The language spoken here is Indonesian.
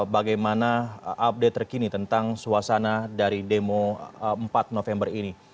bagaimana update terkini tentang suasana dari demo empat november ini